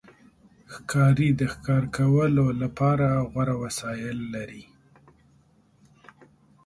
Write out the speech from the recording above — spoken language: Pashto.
ښکاري د ښکار کولو لپاره غوره وسایل لري.